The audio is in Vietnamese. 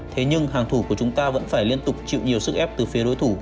thế nhưng hàng thủ của chúng ta vẫn phải liên tục chịu nhiều sức ép từ phía đối thủ